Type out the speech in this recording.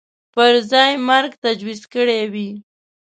پر ځای مرګ تجویز کړی وي